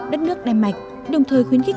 đất nước đan mạch đồng thời khuyến khích